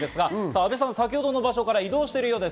先ほどの場所から移動しているようです。